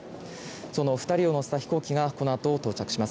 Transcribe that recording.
その２人を乗せた飛行機がこのあと到着します。